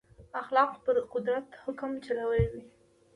اخلاق پر قدرت حکم چلولی وي.